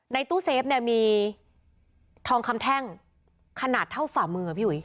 ตู้เซฟเนี่ยมีทองคำแท่งขนาดเท่าฝ่ามืออะพี่อุ๋